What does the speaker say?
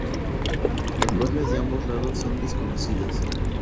Las bajas de ambos lados son desconocidas.